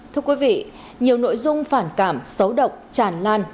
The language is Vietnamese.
thưa quý vị nhiều nội dung phản cảm xấu độc tràn lan